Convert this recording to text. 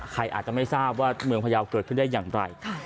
ใครอาจจะไม่ทราบว่าเมืองพยาวเกิดขึ้นได้อย่างไร